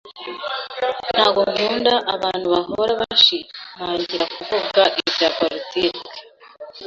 Ntabwo nkunda abantu bahora bashimangira kuvuga ibya politiki.